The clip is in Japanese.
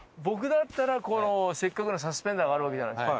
僕だったらこのせっかくのサスペンダーがあるわけじゃない？